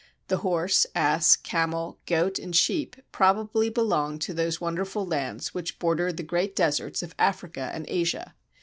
The horse, ass, camel, goat, and sheep probably belong to those wonderful lands which border the great deserts of Africa and Asia.